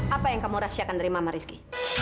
apa yang kamu rahasiakan dari mama rizky